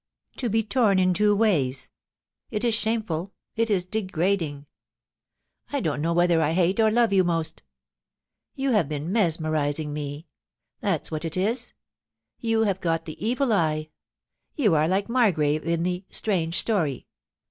To be torn in two ways — it is shameful — it is degrading !... I don't know whether I hate or love you most ... You have been mesmerising me; that's what it is. You have got the evil eye. You are like Mar grave in the "Strange Stor>\"